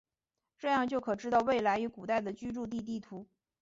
这样就可知道未来与古代的居住地地图。